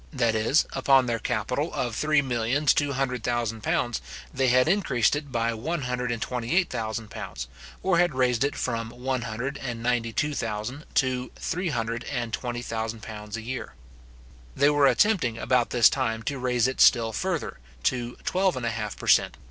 that is, upon their capital of three millions two hundred thousand pounds, they had increased it by £128,000, or had raised it from one hundred and ninety two thousand to three hundred and twenty thousand pounds a year. They were attempting about this time to raise it still further, to twelve and a half per cent.